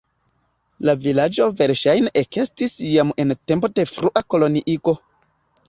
La vilaĝo verŝajne ekestis jam en tempo de frua koloniigo.